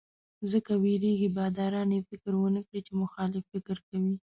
ځکه وېرېږي باداران یې فکر ونکړي چې مخالف فکر کوي.